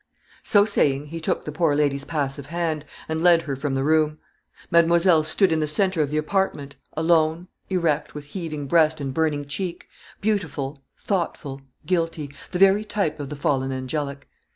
So saying, he took the poor lady's passive hand, and led her from the room. Mademoiselle stood in the center of the apartment, alone, erect, with heaving breast and burning cheek beautiful, thoughtful, guilty the very type of the fallen angelic.